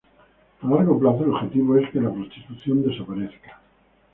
A largo plazo, el objetivo es que la prostitución desaparezca".